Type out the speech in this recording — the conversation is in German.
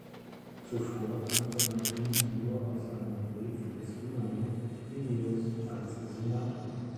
Zuvor kannte man ihn nur aus einem Brief des jüngeren Plinius als Senator.